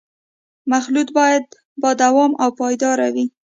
مخلوط باید با دوام او پایدار وي